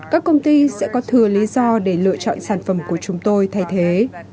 các công ty sẽ có thừa lý do để lựa chọn sản phẩm của chúng tôi thay thế